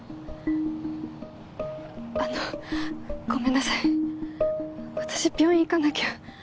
あのごめんなさい私病院行かなきゃ。